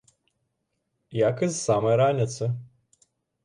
Як і з самай раніцы.